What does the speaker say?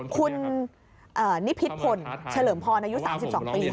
คุณนิพิษพลเฉลิมพรอายุ๓๒ปี